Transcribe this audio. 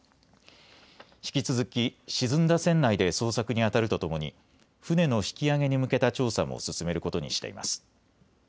引き続き、沈んだ船内で捜索にあたるとともに船の引き揚げに向けた調査も進めることにしています。